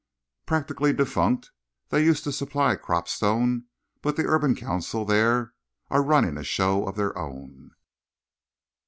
"Practically defunct. They used to supply Cropstone, but the Urban Council there are running a show of their own."